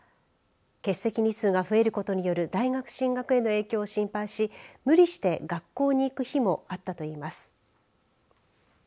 欠席日数が増えることによる大学進学への影響を心配し無理して学校に行く日もあったといいます。